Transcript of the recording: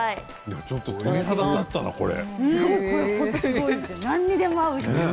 ちょっと鳥肌が立ったな、うまい。